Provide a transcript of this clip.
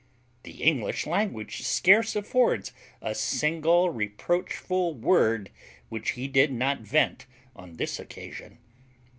The English language scarce affords a single reproachful word, which he did not vent on this occasion.